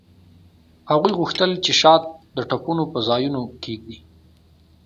هغوی غوښتل چې شات د ټپونو په ځایونو کیږدي